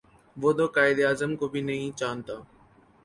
وہ تو قاہد اعظم کو بھی نہیں جانتا